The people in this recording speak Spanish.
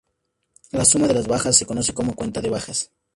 La suma de las bajas se conoce como "cuenta de bajas".